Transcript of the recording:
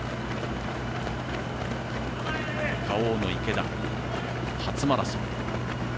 Ｋａｏの池田、初マラソン。